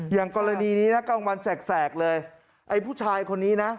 อย่างกรณีนี้นะกลางวันแสกเลยไอ้ผู้ชายคนนี้นะ